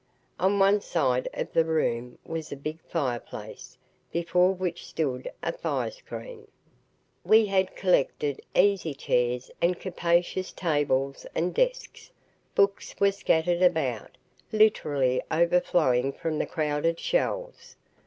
On one side of the room was a big fire place, before which stood a fire screen. We had collected easy chairs and capacious tables and desks. Books were scattered about, literally overflowing from the crowded shelves.